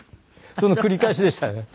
その繰り返しでしたね。